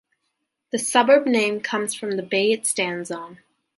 The suburb name comes from the bay it stands on.